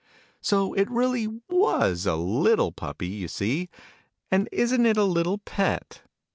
So it really teas a little Puppy, you see. And isn't it a little pet